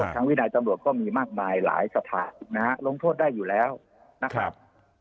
วินัยตำรวจก็มีมากมายหลายสภานะฮะลงโทษได้อยู่แล้วนะครับ